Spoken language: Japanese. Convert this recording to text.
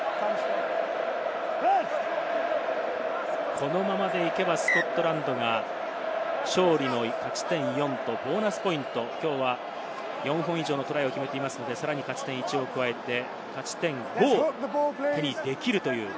このままでいけばスコットランドが勝ち点４とボーナスポイント、きょうは４本以上のトライを決めていますので、さらに勝ち点１を加えて勝ち点５を手にできる。